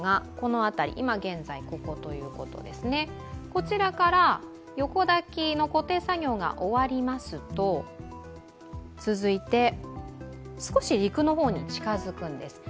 こちらから横抱きの固定作業が終わりますと、続いて少し陸の方に近づくんです。